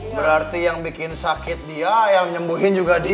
berarti yang bikin sakit dia yang nyembuhin juga dia